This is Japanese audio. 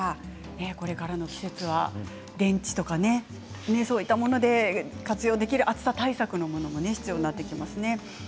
これからの季節は電池とかねそういったもので活用できる暑さ対策のものも必要になってきますね。